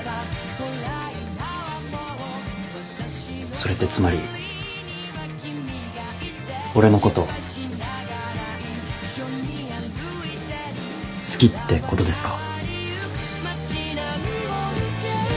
それってつまり俺のこと好きってことですか？